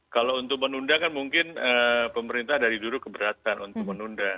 kalau untuk menunda kan mungkin pemerintah dari dulu keberatan untuk menunda